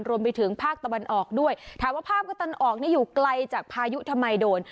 รวมไปถึงภาคตะวันออกด้วยถามว่าภาพก็ตะวันออกนี่อยู่ไกลจากพายุทำไมโดน